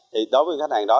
đối với những khách hàng đó